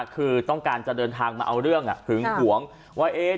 คือต้องการจะเดินทางมาเอาเรื่องหึงหวงว่า